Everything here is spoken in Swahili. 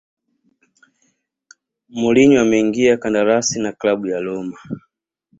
mourinho ameingia kandarasi na klabu ya roma